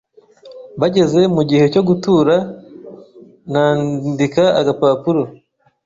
bageze mu gihe cyo gutura, namdika agapapuro